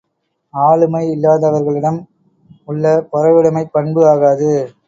ஆளுமை இல்லாதவர்களிடம் உள்ள பொறையுடைமைப் பண்பு ஆகாது.